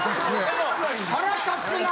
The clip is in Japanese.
腹立つな！